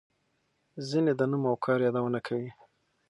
ځینې د نوم او کار یادونه کوي.